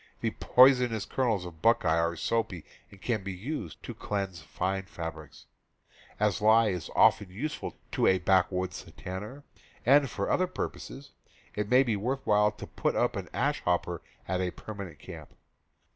The poisonous kernels of buckeye are soapy and can be used to cleanse fine fabrics. As lye is often use ful to a backwoods tanner, and for other purposes, it may be worth while to put up an ash hopper at a permanent camp.